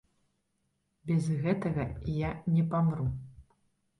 Без гэтага я не памру.